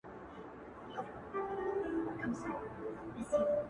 صدقه دي سم تر تكــو تــورو سترگو؛